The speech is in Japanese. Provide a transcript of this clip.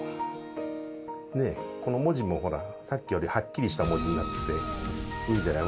ねえこの文字もほらさっきよりはっきりした文字になってていいんじゃない？